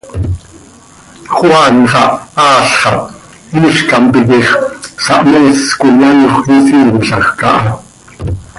Juan xah, aal xah, iizcam piquix, sahmees coi anxö isiimlajc aha.